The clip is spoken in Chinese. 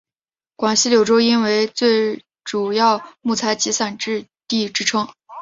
广西柳州因为是主要木材集散地之称。